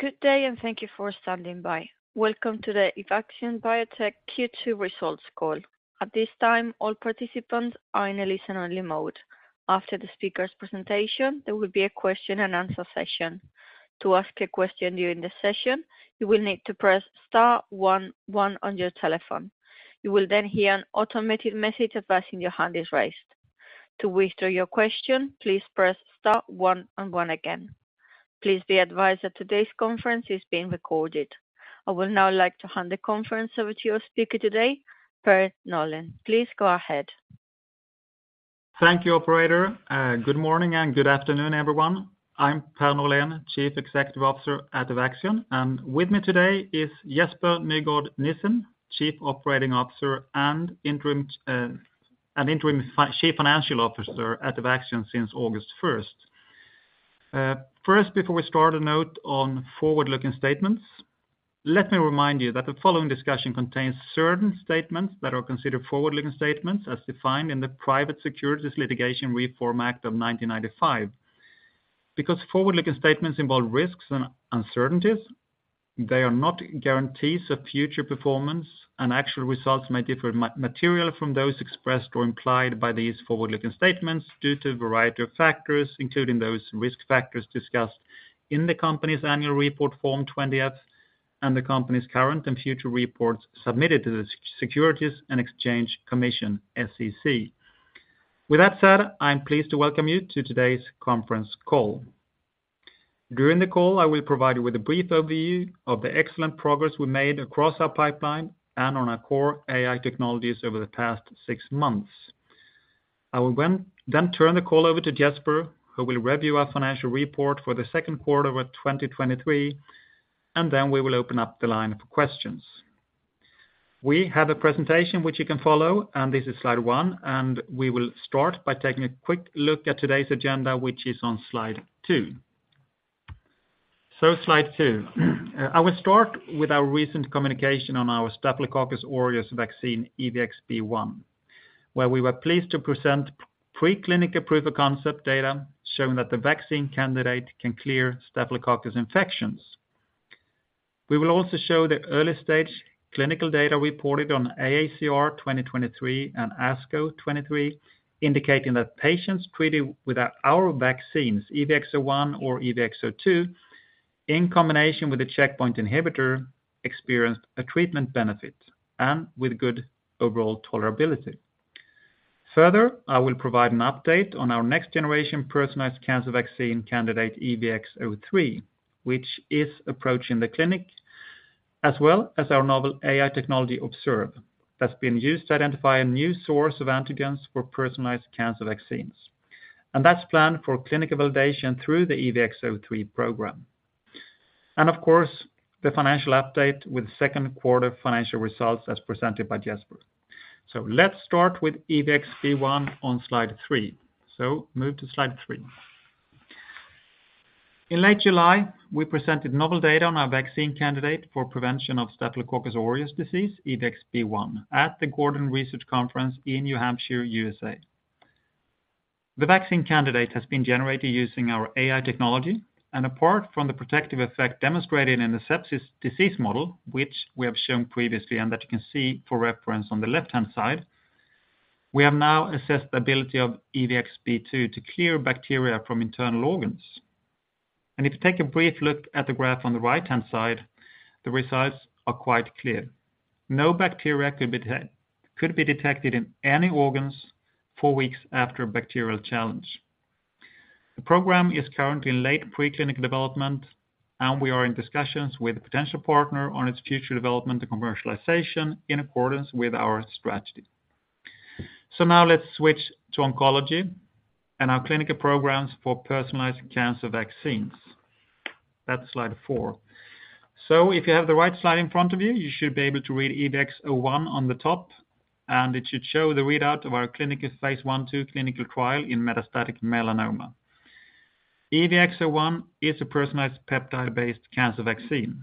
Good day, and thank you for standing by. Welcome to the Evaxion Biotech Q2 results call. At this time, all participants are in a listen-only mode. After the speaker's presentation, there will be a question and answer session. To ask a question during the session, you will need to press star one one on your telephone. You will then hear an automated message advising your hand is raised. To withdraw your question, please press star one and one again. Please be advised that today's conference is being recorded. I would now like to hand the conference over to your speaker today, Per Norlén. Please go ahead. Thank you, operator. Good morning and good afternoon, everyone. I'm Per Norlén, Chief Executive Officer at Evaxion, and with me today is Jesper Nyegaard Nissen, Chief Operating Officer and Interim Chief Financial Officer at Evaxion since August first. First, before we start, a note on forward-looking statements. Let me remind you that the following discussion contains certain statements that are considered forward-looking statements, as defined in the Private Securities Litigation Reform Act of 1995. Because forward-looking statements involve risks and uncertainties, they are not guarantees of future performance, and actual results may differ materially from those expressed or implied by these forward-looking statements due to a variety of factors, including those risk factors discussed in the company's annual report, Form 20-F, and the company's current and future reports submitted to the Securities and Exchange Commission, SEC. With that said, I'm pleased to welcome you to today's conference call. During the call, I will provide you with a brief overview of the excellent progress we made across our pipeline and on our core AI technologies over the past six months. I will then, then turn the call over to Jesper, who will review our financial report for the second quarter of 2023. Then we will open up the line of questions. We have a presentation which you can follow. This is slide one. We will start by taking a quick look at today's agenda, which is on slide two. Slide slide. I will start with our recent communication on our Staphylococcus aureus vaccine, EVX-B1, where we were pleased to present preclinical approval concept data showing that the vaccine candidate can clear Staphylococcus infections. We will also show the early-stage clinical data reported on AACR 2023 and ASCO 2023, indicating that patients treated with our, our vaccines, EVX-01 or EVX-02, in combination with a checkpoint inhibitor, experienced a treatment benefit and with good overall tolerability. Further, I will provide an update on our next generation personalized cancer vaccine candidate, EVX-03, which is approaching the clinic, as well as our novel AI technology ObsERV, that's been used to identify a new source of antigens for personalized cancer vaccines. That's planned for clinical validation through the EVX-03 program. Of course, the financial update with second quarter financial results as presented by Jesper. Let's start with EVX-B1 on slide three. Move to slide three. In late July, we presented novel data on our vaccine candidate for prevention of Staphylococcus aureus disease, EVX-B1, at the Gordon Research Conference in New Hampshire, USA. The vaccine candidate has been generated using our AI technology. Apart from the protective effect demonstrated in the sepsis disease model, which we have shown previously and that you can see for reference on the left-hand side, we have now assessed the ability of EVX-B2 to clear bacteria from internal organs. If you take a brief look at the graph on the right-hand side, the results are quite clear. No bacteria could be detected in any organs four weeks after a bacterial challenge. The program is currently in late preclinical development. We are in discussions with a potential partner on its future development and commercialization in accordance with our strategy. Now let's switch to oncology and our clinical programs for personalized cancer vaccines. That's slide four. If you have the right slide in front of you, you should be able to read EVX-01 on the top, and it should show the readout of our clinical phase I, II clinical trial in metastatic melanoma. EVX-01 is a personalized peptide-based cancer vaccine,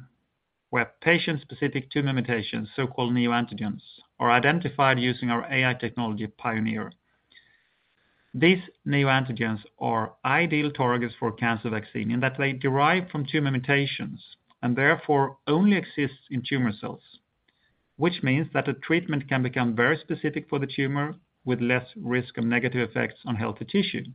where patient-specific tumor mutations, so-called neoantigens, are identified using our AI technology, Pioneer. These neoantigens are ideal targets for cancer vaccine, and that they derive from tumor mutations and therefore only exists in tumor cells. Which means that a treatment can become very specific for the tumor with less risk of negative effects on healthy tissue.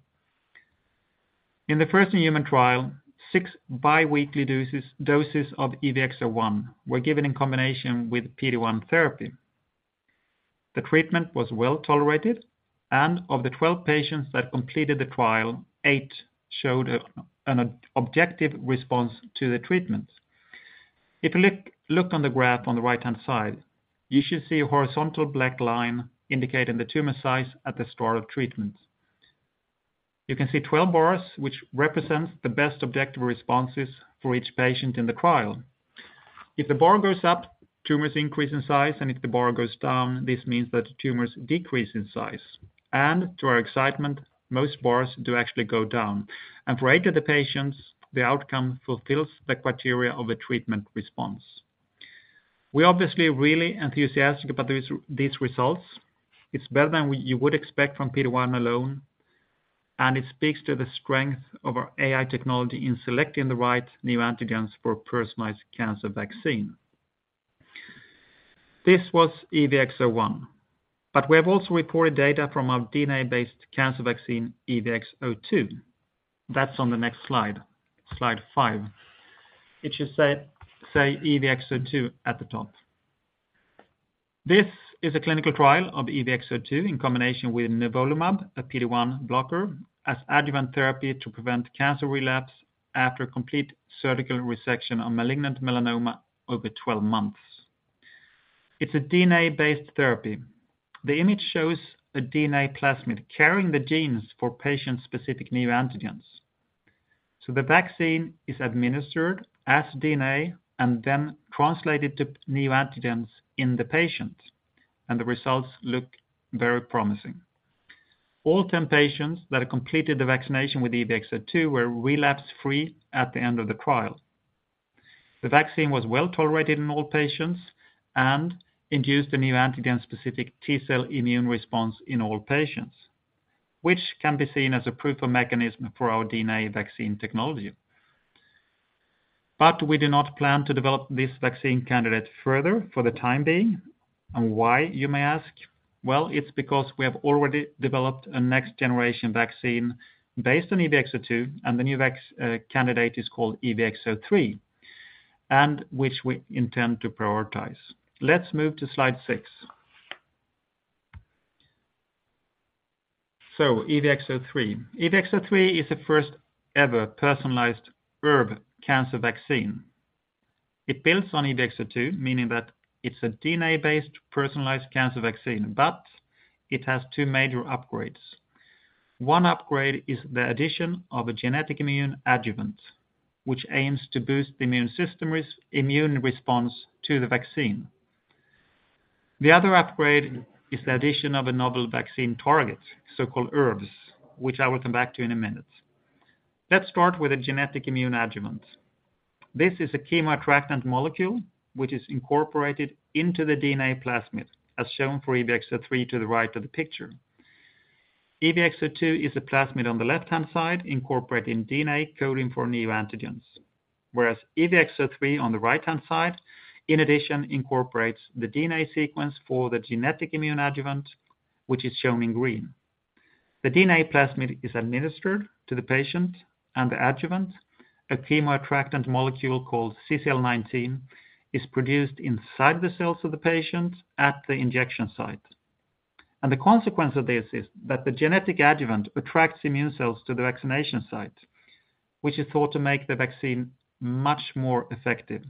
In the first human trial, 6 biweekly doses of EVX-01 were given in combination with PD-1 therapy. The treatment was well tolerated, and of the 12 patients that completed the trial, eight showed an objective response to the treatment. If you look, look on the graph on the right-hand side, you should see a horizontal black line indicating the tumor size at the start of treatment. You can see 12 bars, which represents the best objective responses for each patient in the trial. If the bar goes up, tumors increase in size, and if the bar goes down, this means that tumors decrease in size. To our excitement, most bars do actually go down. For eight of the patients, the outcome fulfills the criteria of a treatment response. We're obviously really enthusiastic about these, these results. It's better than what you would expect from PD-1 alone, and it speaks to the strength of our AI technology in selecting the right neoantigens for personalized cancer vaccine. This was EVX-01, but we have also reported data from our DNA-based cancer vaccine, EVX-02. That's on the next slide, slide five. It should say EVX-02 at the top. This is a clinical trial of EVX-02 in combination with nivolumab, a PD-1 blocker, as adjuvant therapy to prevent cancer relapse after complete surgical resection of malignant melanoma over 12 months. It's a DNA-based therapy. The image shows a DNA plasmid carrying the genes for patient-specific neoantigens. The vaccine is administered as DNA and then translated to neoantigens in the patient. The results look very promising. All 10 patients that have completed the vaccination with EVX-02 were relapse-free at the end of the trial. The vaccine was well tolerated in all patients and induced a neoantigen-specific T cell immune response in all patients, which can be seen as a proof of mechanism for our DNA vaccine technology. We do not plan to develop this vaccine candidate further for the time being. Why, you may ask? Well, it's because we have already developed a next generation vaccine based on EVX-02, and the new vac candidate is called EVX-03, and which we intend to prioritize. Let's move to slide six. EVX-03 is the first ever personalized ERV cancer vaccine. It builds on EVX-02, meaning that it's a DNA-based personalized cancer vaccine, but it has two major upgrades. One upgrade is the addition of a genetic immune adjuvant, which aims to boost the immune system's immune response to the vaccine. The other upgrade is the addition of a novel vaccine target, so-called ERVs, which I will come back to in a minute. Let's start with a genetic immune adjuvant. This is a chemoattractant molecule, which is incorporated into the DNA plasmid, as shown for EVX-03 to the right of the picture. EVX-02 is a plasmid on the left-hand side, incorporating DNA coding for neoantigens, whereas EVX-03, on the right-hand side, in addition, incorporates the DNA sequence for the genetic immune adjuvant, which is shown in green. The DNA plasmid is administered to the patient, and the adjuvant, a chemoattractant molecule called CCL19, is produced inside the cells of the patient at the injection site. The consequence of this is that the genetic adjuvant attracts immune cells to the vaccination site, which is thought to make the vaccine much more effective.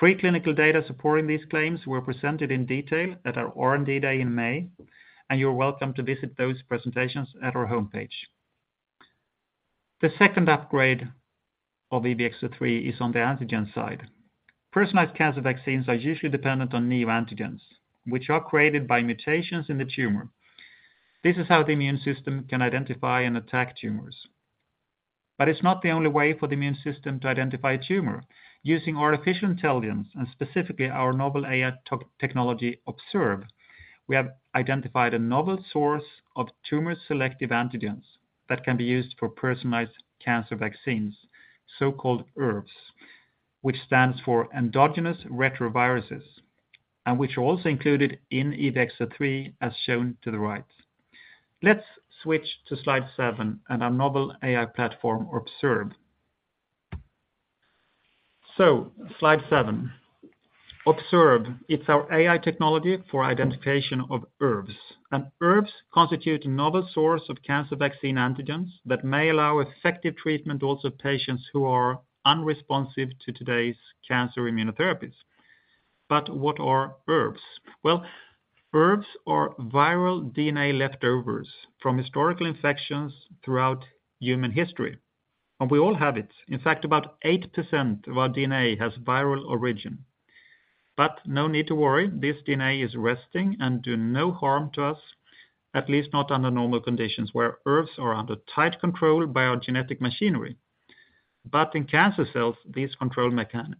Preclinical data supporting these claims were presented in detail at our R&D Day in May, and you're welcome to visit those presentations at our homepage. The second upgrade of EVX-03 is on the antigen side. Personalized cancer vaccines are usually dependent on neoantigens, which are created by mutations in the tumor. This is how the immune system can identify and attack tumors. It's not the only way for the immune system to identify a tumor. Using artificial intelligence, and specifically our novel AI tech, technology ObsERV, we have identified a novel source of tumor-selective antigens that can be used for personalized cancer vaccines, so-called ERVs, which stands for endogenous retroviruses, and which are also included in svh-340 as shown to the right. Let's switch to Slide seven and our novel AI platform, ObsERV. Slide, ObsERV. It's our AI technology for identification of ERVs, and ERVs constitute a novel source of cancer vaccine antigens that may allow effective treatment also patients who are unresponsive to today's cancer immunotherapies. What are ERVs? Well, ERVs are viral DNA leftovers from historical infections throughout human history, and we all have it. In fact, about 80% of our DNA has viral origin. No need to worry, this DNA is resting and do no harm to us, at least not under normal conditions, where ERVs are under tight control by our genetic machinery. In cancer cells, these control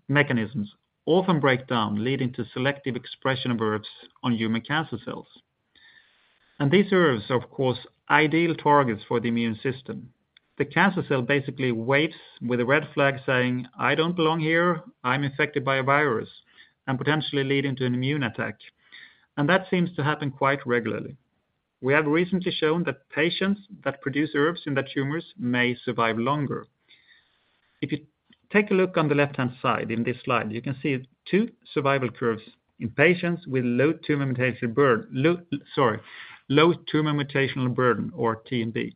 mechanisms often break down, leading to selective expression of ERVs on human cancer cells. These ERVs are, of course, ideal targets for the immune system. The cancer cell basically waves with a red flag saying, "I don't belong here. I'm infected by a virus," and potentially leading to an immune attack. That seems to happen quite regularly. We have recently shown that patients that produce ERVs in their tumors may survive longer. If you take a look on the left-hand side in this slide, you can see two survival curves in patients with low tumor mutational burden or TMB,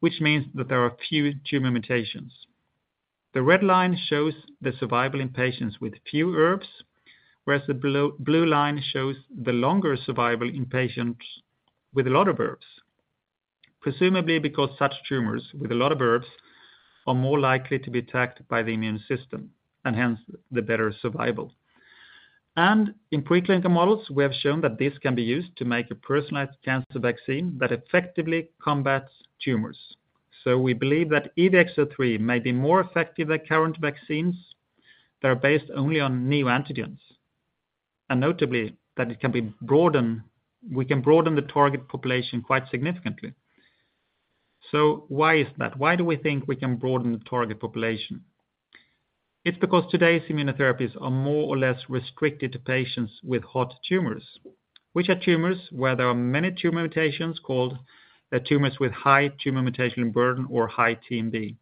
which means that there are few tumor mutations. The red line shows the survival in patients with few ERVs, whereas the blue line shows the longer survival in patients with a lot of ERVs, presumably because such tumors with a lot of ERVs, are more likely to be attacked by the immune system, and hence, the better survival. In preclinical models, we have shown that this can be used to make a personalized cancer vaccine that effectively combats tumors. We believe that EVX-03 may be more effective than current vaccines that are based only on neoantigens, and notably, that it can be broadened, we can broaden the target population quite significantly. Why is that? Why do we think we can broaden the target population? It's because today's immunotherapies are more or less restricted to patients with hot tumors, which are tumors where there are many tumor mutations called, tumors with high tumor mutational burden or high TMB.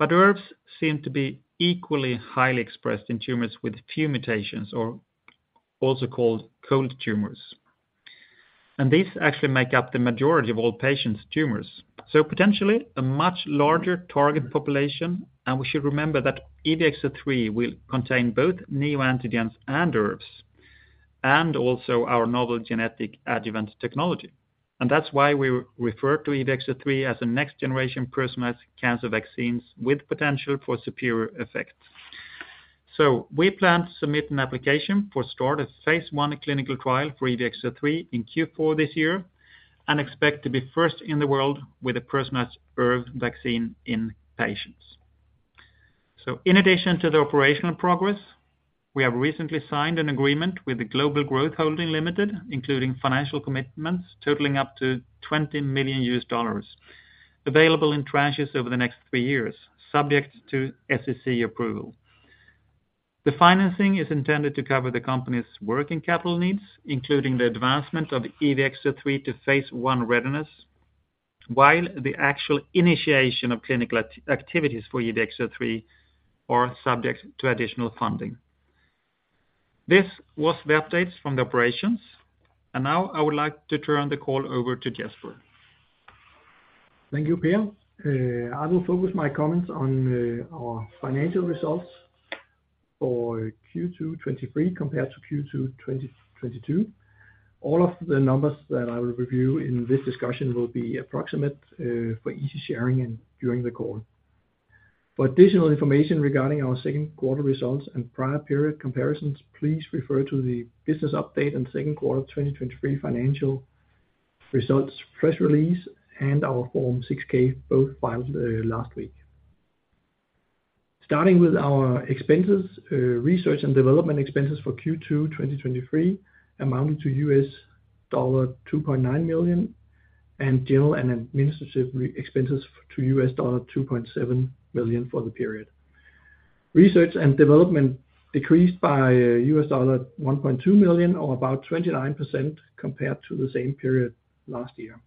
ERVs seem to be equally highly expressed in tumors with few mutations, or also called cold tumors. These actually make up the majority of all patients' tumors. Potentially, a much larger target population, and we should remember that EVX-03 will contain both neoantigens and ERVs, and also our novel genetic immune adjuvant technology. That's why we refer to EVX-03 as a next generation personalized cancer vaccines with potential for superior effect. We plan to submit an application for start a phase I clinical trial for EVX-03 in Q4 this year, and expect to be first in the world with a personalized ERV vaccine in patients. In addition to the operational progress, we have recently signed an agreement with the Global Growth Holding Ltd., including financial commitments totaling up to $20 million, available in tranches over the next three years, subject to SEC approval. The financing is intended to cover the company's working capital needs, including the advancement of EVX-03 to phase I readiness, while the actual initiation of clinical activities for EVX-03 are subject to additional funding. This was the updates from the operations. Now I would like to turn the call over to Jesper. Thank you, Per. I will focus my comments on our financial results for Q2 2023 compared to Q2 2022. All of the numbers that I will review in this discussion will be approximate for easy sharing and during the call. For additional information regarding our second quarter results and prior period comparisons, please refer to the business update and second quarter 2023 financial results, press release, and our Form 6-K, both filed last week. Starting with our expenses, research and development expenses for Q2 2023 amounted to $2.9 million, and general and administrative expenses to $2.7 million for the period. Research and development decreased by $1.2 million, or about 29% compared to the same period last year.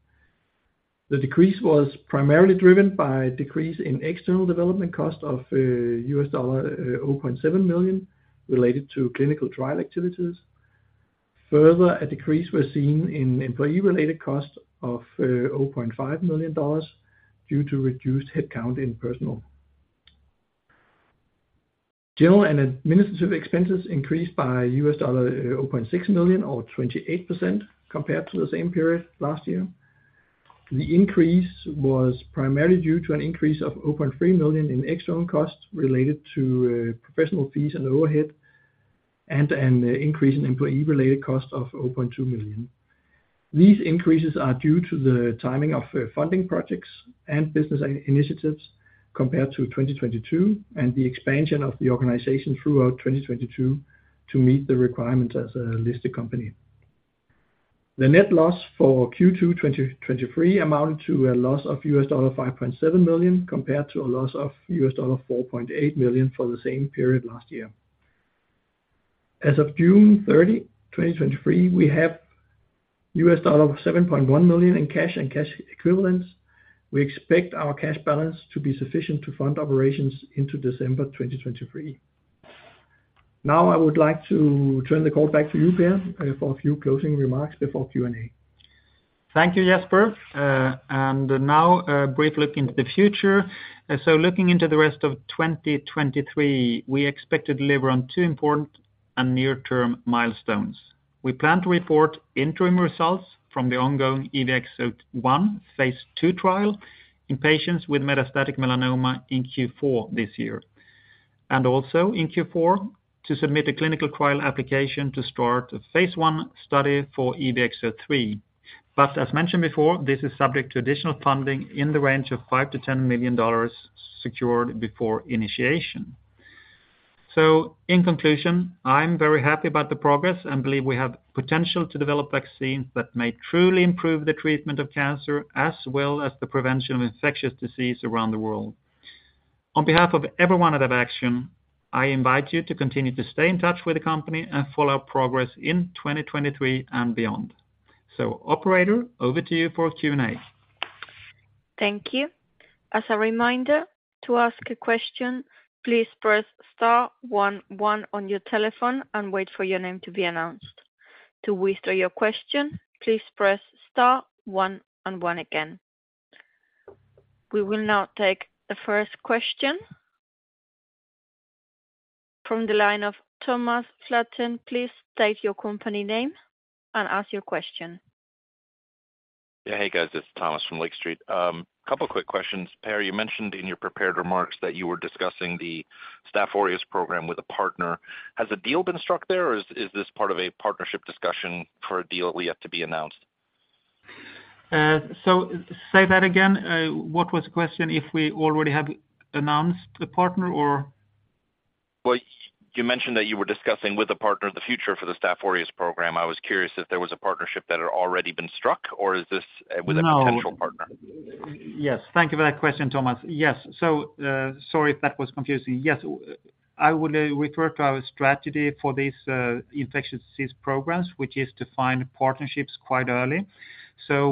The decrease was primarily driven by a decrease in external development cost of $0.7 million related to clinical trial activities. Further, a decrease was seen in employee-related costs of $0.5 million due to reduced headcount in personnel. General and administrative expenses increased by $0.6 million or 28% compared to the same period last year. The increase was primarily due to an increase of $0.3 million in external costs related to professional fees and overhead, and an increase in employee-related costs of $0.2 million. These increases are due to the timing of funding projects and business initiatives compared to 2022, and the expansion of the organization throughout 2022 to meet the requirements as a listed company. The net loss for Q2 2023 amounted to a loss of $5.7 million, compared to a loss of $4.8 million for the same period last year. As of June 30, 2023, we have $7.1 million in cash and cash equivalents. We expect our cash balance to be sufficient to fund operations into December 2023. I would like to turn the call back to you, Per, for a few closing remarks before Q&A. Thank you, Jesper. Now a brief look into the future. Looking into the rest of 2023, we expect to deliver on two important and near-term milestones. We plan to report interim results from the ongoing EVX-01 phase II trial in patients with metastatic melanoma in Q4 this year, and also in Q4, to submit a clinical trial application to start a phase I study for EVX-03. As mentioned before, this is subject to additional funding in the range of $5 million-$10 million secured before initiation. In conclusion, I'm very happy about the progress and believe we have potential to develop vaccines that may truly improve the treatment of cancer, as well as the prevention of infectious disease around the world. On behalf of everyone at Evaxion, I invite you to continue to stay in touch with the company and follow our progress in 2023 and beyond. Operator, over to you for Q&A. Thank you. As a reminder, to ask a question, please press star one one on your telephone and wait for your name to be announced. To withdraw your question, please press star one and one again. We will now take the first question. From the line of Thomas Flaten, please state your company name and ask your question. Yeah. Hey, guys, this is Thomas from Lake Street. A couple quick questions. Per, you mentioned in your prepared remarks that you were discussing the Staph aureus program with a partner. Has a deal been struck there, or is this part of a partnership discussion for a deal yet to be announced? Say that again, what was the question? If we already have announced the partner or? Well, you mentioned that you were discussing with a partner the future for the Staph aureus program. I was curious if there was a partnership that had already been struck, or is this with... No a potential partner? Yes. Thank you for that question, Thomas. Yes. Sorry if that was confusing. Yes, I would refer to our strategy for these infectious disease programs, which is to find partnerships quite early.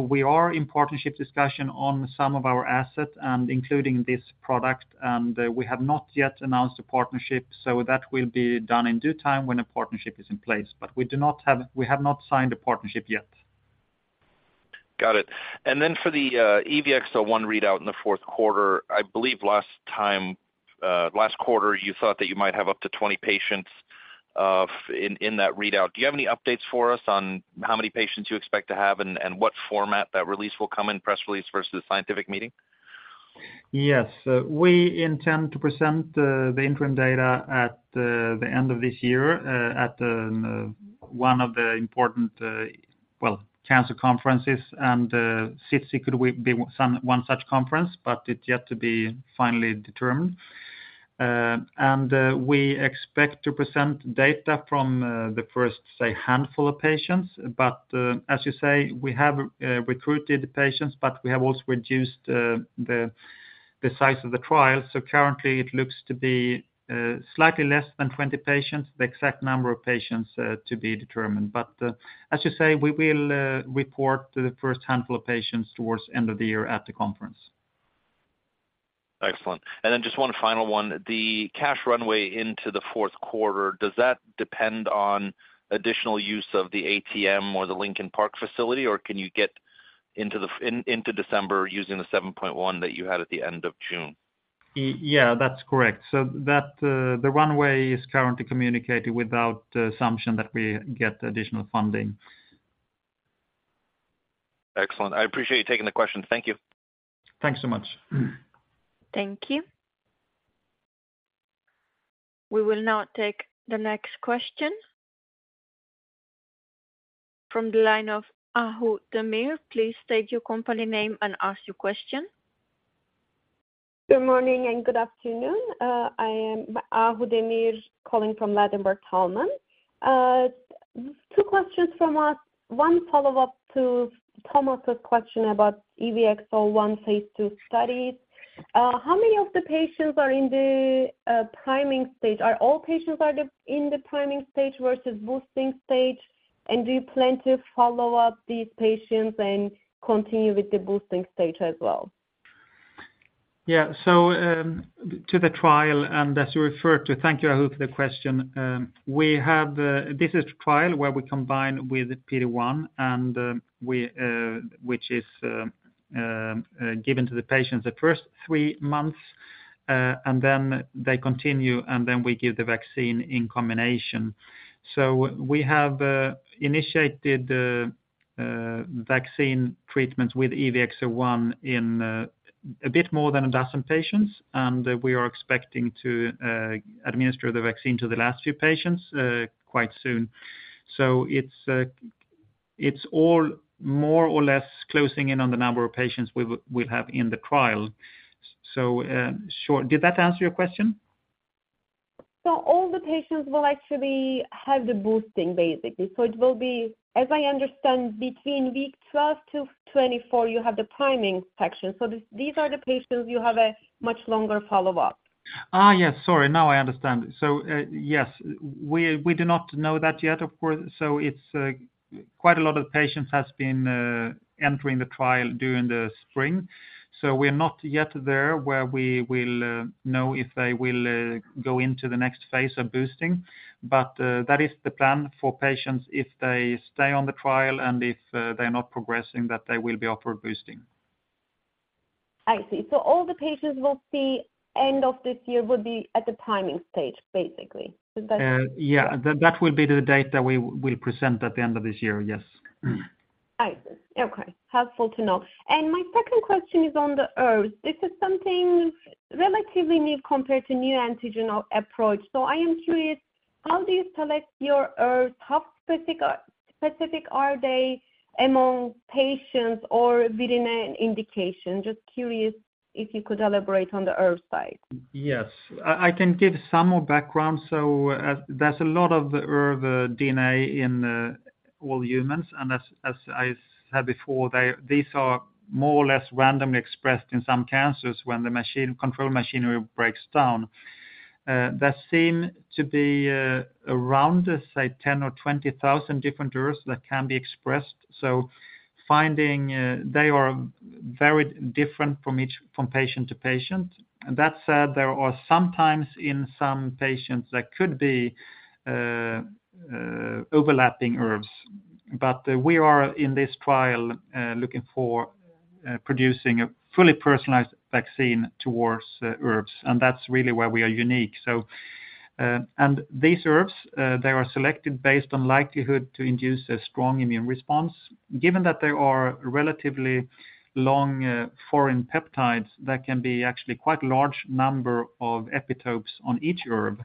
We are in partnership discussion on some of our assets and including this product, and we have not yet announced a partnership, so that will be done in due time when a partnership is in place. We do not have, we have not signed a partnership yet. Got it. Then for the EVX-01 readout in the fourth quarter, I believe last time, last quarter, you thought that you might have up to 20 patients in that readout. Do you have any updates for us on how many patients you expect to have and what format that release will come in, press release versus scientific meeting? Yes. We intend to present the interim data at the end of this year, at the one of the important, well, cancer conferences. SITC could be one such conference, but it's yet to be finally determined. We expect to present data from the first, say, handful of patients. As you say, we have recruited patients, but we have also reduced the size of the trial. Currently it looks to be slightly less than 20 patients, the exact number of patients to be determined. As you say, we will report the first handful of patients towards end of the year at the conference Excellent. Then just 1one final one. The cash runway into the fourth quarter, does that depend on additional use of the ATM or the Lincoln Park facility, or can you get into December using the $7.1 that you had at the end of June? Yeah, that's correct. That, the runway is currently communicated without the assumption that we get additional funding. Excellent. I appreciate you taking the question. Thank you. Thanks so much. Thank you. We will now take the next question from the line of Ahu Demir. Please state your company name and ask your question. Good morning and good afternoon. I am Ahu Demir, calling from Ladenburg Thalmann. Two questions from us. One follow-up to Thomas's question about EVX-01 phase II studies. How many of the patients are in the, priming stage? Are all patients are the, in the priming stage versus boosting stage? Do you plan to follow up these patients and continue with the boosting stage as well? Yeah. To the trial, and as you referred to, thank you, Ahu, for the question. We have, this is a trial where we combine with PD-1, and we, which is, given to the patients the first 3 months, and then they continue, and then we give the vaccine in combination. We have initiated the vaccine treatment with EVX-01 in a bit more than 12 patients, and we are expecting to administer the vaccine to the last few patients quite soon. It's, it's all more or less closing in on the number of patients we, we have in the trial. Sure. Did that answer your question? All the patients will actually have the boosting, basically. It will be, as I understand, between week 12 to 24, you have the priming section. These are the patients you have a much longer follow-up? Ah, yes, sorry. Now I understand. Yes, we, we do not know that yet, of course. It's quite a lot of patients has been entering the trial during the spring, so we are not yet there where we will know if they will go into the next phase of boosting. That is the plan for patients if they stay on the trial and if, they are not progressing, that they will be offered boosting. I see. All the patients will see end of this year will be at the priming stage, basically. Is that- Yeah, that, that will be the date that we will present at the end of this year. Yes. I see. Okay. Helpful to know. My second question is on the HERVs. This is something relatively new compared to neoantigen approach. I am curious, how do you select your HERV? How specific are they among patients or within an indication? Just curious if you could elaborate on the HERV side. Yes. I, I can give some more background. There's a lot of HERV DNA in all humans, and as, as I said before, they- these are more or less randomly expressed in some cancers when the control machinery breaks down. There seem to be around, say, 10 or 20,000 different HERVs that can be expressed. Finding, they are very different from each, from patient to patient. That said, there are sometimes in some patients there could be overlapping HERVs. We are in this trial looking for producing a fully personalized vaccine towards HERVs. That's really where we are unique. These HERVs they are selected based on likelihood to induce a strong immune response. Given that they are relatively long, foreign peptides, there can be actually quite large number of epitopes on each HERV.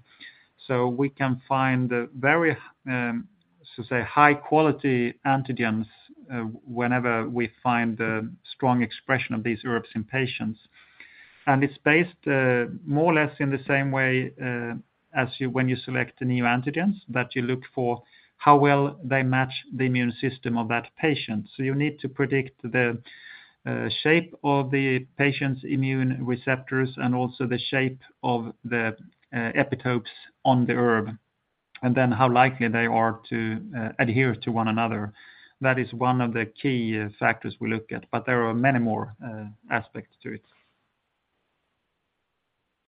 We can find very, so say high quality antigens, whenever we find strong expression of these ERVs in patients. It's based more or less in the same way, as you when you select the neoantigens, that you look for, how well they match the immune system of that patient. You need to predict the shape of the patient's immune receptors and also the shape of the epitopes on the ERV, and then how likely they are to adhere to one another. That is one of the key factors we look at, but there are many more aspects to it.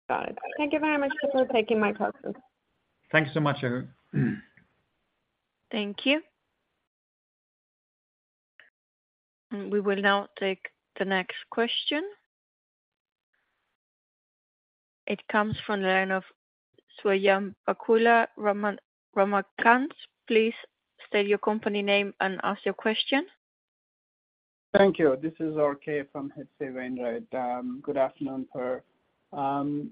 Got it. Thank you very much for taking my call. Thanks so much, Erin. Thank you. We will now take the next question. It comes from the line of Swayampakula Ramakanth, Ramakant. Please state your company name and ask your question. Thank you. This is R. K. from H.C. Wainwright. Good afternoon, Per Norlén.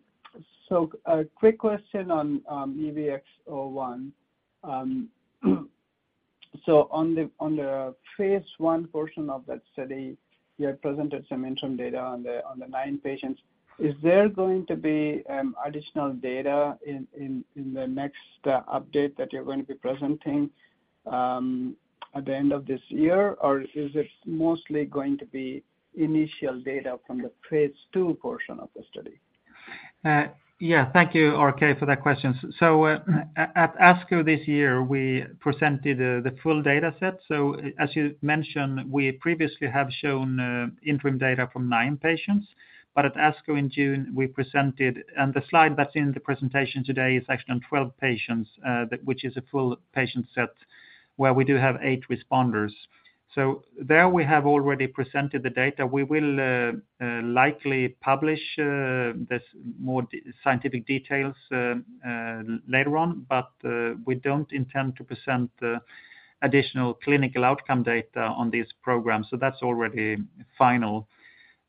A quick question on EVX-01. On the phase I portion of that study, you had presented some interim data on the 9 patients. Is there going to be additional data in the next update that you're going to be presenting at the end of this year? Or is it mostly going to be initial data from the phase II portion of the study? u, R. K., for that question. So, at ASCO this year, we presented the full data set. So as you mentioned, we previously have shown interim data from nine patients, but at ASCO in June, we presented. And the slide that's in the presentation today is actually on 12 patients, which is a full patient set, where we do have sight responders. So there we have already presented the data. We will likely publish this more scientific details later on, but we don't intend to present additional clinical outcome data on this program. So that's already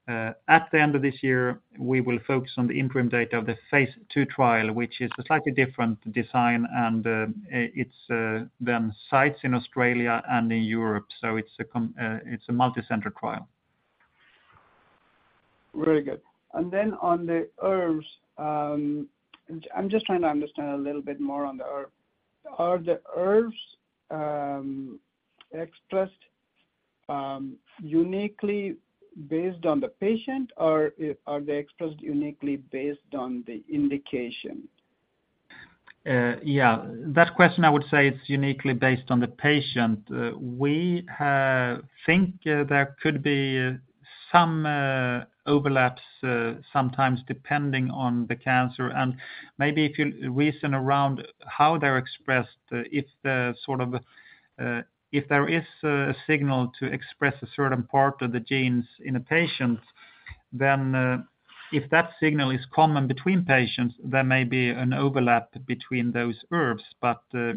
final.tertain At the end of this year, we will focus on the interim data of the phase II trial, which is a slightly different design, and it's then sites in Australia and in Europe, so it's a multicenter trial. Very good. Then on the ERVs, I'm just trying to understand a little bit more on the ERV. Are the ERVs expressed uniquely based on the patient, or are they expressed uniquely based on the indication? Yeah, that question I would say is uniquely based on the patient. We think there could be some overlaps sometimes depending on the cancer, and maybe if you reason around how they're expressed, if the sort of, if there is a signal to express a certain part of the genes in a patient, then, if that signal is common between patients, there may be an overlap between those ERVs.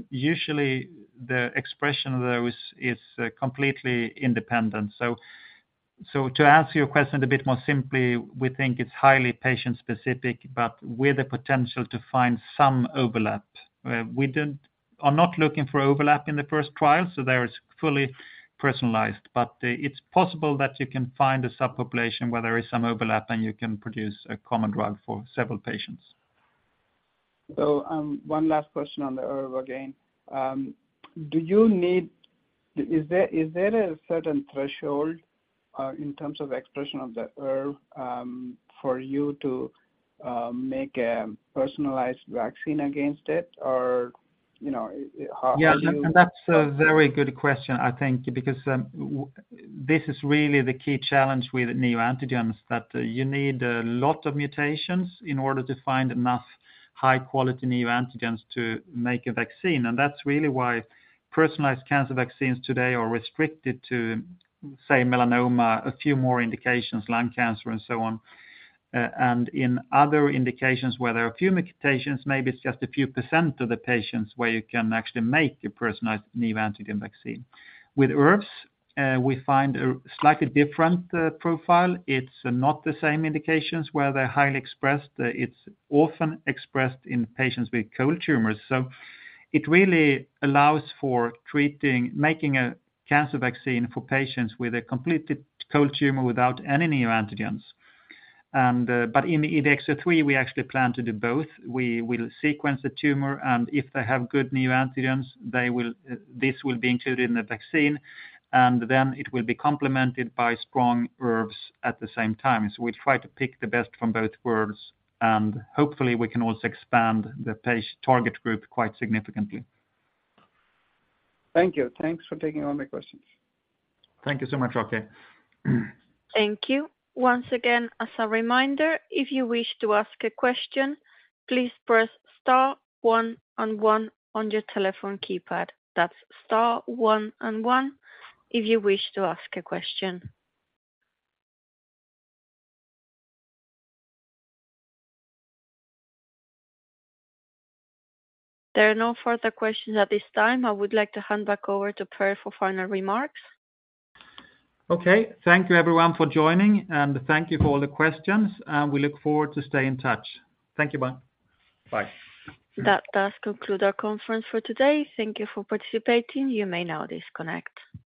Usually, the expression of those is completely independent. To answer your question a bit more simply, we think it's highly patient specific, but with the potential to find some overlap. We are not looking for overlap in the first trial, so there it's fully personalized, but, it's possible that you can find a subpopulation where there is some overlap, and you can produce a common drug for several patients. One last question on the ERV again. Is there a certain threshold in terms of expression of the ERV for you to make a personalized vaccine against it? Or, you know, how are you- Yeah, and that's a very good question, I think, because, this is really the key challenge with neoantigens, that you need a lot of mutations in order to find enough high-quality neoantigens to make a vaccine. That's really why personalized cancer vaccines today are restricted to, say, melanoma, a few more indications, lung cancer, and so on. In other indications where there are few mutations, maybe it's just a few percent of the patients where you can actually make a personalized neoantigen vaccine. With ERVs, we find a slightly different profile. It's not the same indications where they're highly expressed. It's often expressed in patients with cold tumors. It really allows for treating, making a cancer vaccine for patients with a completely cold tumor without any neoantigens. In EVX-03, we actually plan to do both. We will sequence the tumor, and if they have good neoantigens, they will-- this will be included in the vaccine, and then it will be complemented by strong ERVs at the same time. So we try to pick the best from both worlds, and hopefully, we can also expand the page target group quite significantly. Thank you. Thanks for taking all my questions. Thank you so much, R.K. Thank you. Once again, as a reminder, if you wish to ask a question, please press star one and one on your telephone keypad. That's star one and one, if you wish to ask a question. There are no further questions at this time. I would like to hand back over to Per for final remarks. Okay. Thank you, everyone, for joining, and thank you for all the questions, and we look forward to stay in touch. Thank you. Bye. Bye. That does conclude our conference for today. Thank you for participating. You may now disconnect.